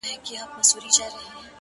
ټول بکواسیات دي ـ